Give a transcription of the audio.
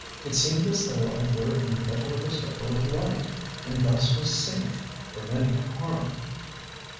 It seemed as though I were in the middle of a circle of light, and thus was safe from any harm."